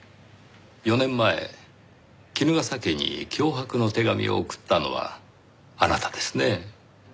４年前衣笠家に脅迫の手紙を送ったのはあなたですねぇ？